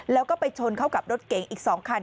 แล้วก็ไปชนเข้ากับรถเก๋งอีก๒คัน